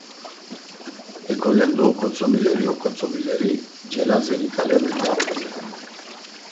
Hekolendo oǩotzomileri oǩotzomileri celazeni ǩale mendaft̆i.